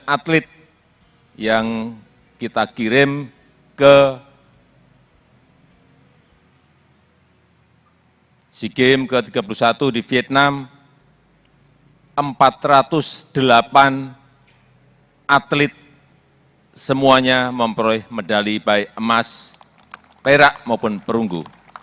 sembilan atlet yang kita kirim ke sigim ke tiga puluh satu di vietnam empat ratus delapan atlet semuanya memperoleh medali baik emas perak maupun perunggu